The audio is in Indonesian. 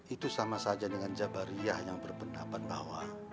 itu sama saja dengan jabariyah yang berpendapat bahwa